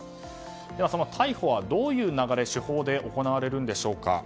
では逮捕はどういう流れ、手法で行われるんでしょうか。